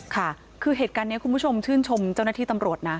ค่ะคือเหตุการณ์นี้คุณผู้ชมชื่นชมเจ้าหน้าที่ตำรวจนะ